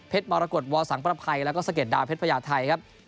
มรกฏวอสังประภัยแล้วก็สะเด็ดดาวเพชรพญาไทยครับ